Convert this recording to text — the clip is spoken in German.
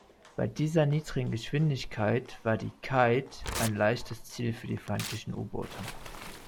Bei dieser niedrigen Geschwindigkeit war die "Kite" ein leichtes Ziel für die feindlichen U-Boote.